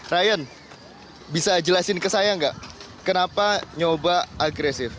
ryan bisa jelasin ke saya nggak kenapa nyoba agresif